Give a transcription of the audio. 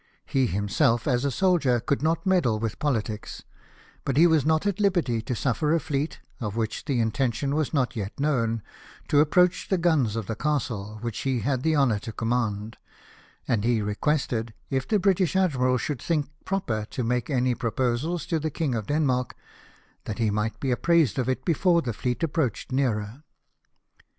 He himself as a soldier could not meddle with politics, but he was not at liberty to suffer a fleet, of which the intention was not yet known, to approach the guns COP EN HA GEN, • 219 of the castle which he had the honour to command ; and he requested, if the British admiral should think proper to make any proposals to the King of Denmark, that he might be apprised of it before the fleet approached nearer.